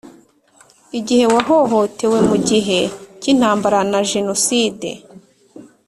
igihe wahohotewe mu gihe cy’intambara na jenoside